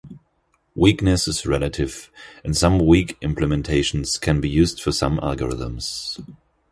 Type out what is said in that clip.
Weakness is relative, and some weak implementations can be used for some algorithms.